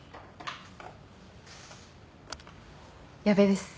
矢部です。